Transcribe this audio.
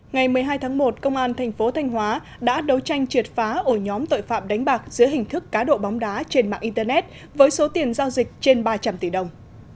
ngày một mươi hai tháng một công an thành phố thanh hóa đã đấu tranh triệt phá ổ nhóm tội phạm đánh bạc dưới hình thức cá độ bóng đá trên mạng internet với số tiền giao dịch trên ba trăm linh tỷ đồng